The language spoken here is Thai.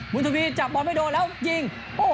คุณทวีจับบอลไม่โดนแล้วยิง